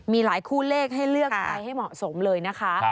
มีหลายคู่เลขให้เลือกใช้ให้เหมาะสมเลยนะคะ